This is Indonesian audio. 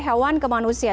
hewan ke manusia